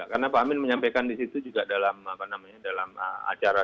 karena pak amin menyampaikan disitu juga dalam acara